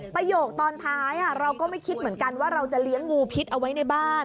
ประโยคตอนท้ายเราก็ไม่คิดเหมือนกันว่าเราจะเลี้ยงงูพิษเอาไว้ในบ้าน